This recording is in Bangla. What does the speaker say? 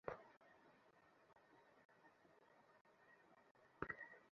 কিন্তু ওই থান্ডারবোল্ট, আমার মনে হয় ওটা কাজের।